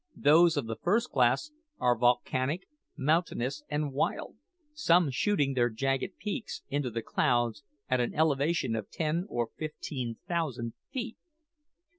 Those of the first class are volcanic, mountainous, and wild some shooting their jagged peaks into the clouds at an elevation of ten and fifteen thousand feet.